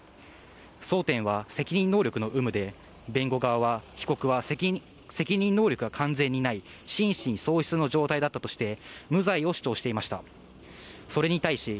争点は責任能力の有無で、弁護側は被告は責任能力は完全にない、心神喪失の状態だったとして、無罪を主張していました。